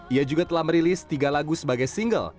ia juga telah merilis tiga lagu sebagai single